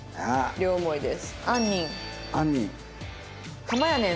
両思いです。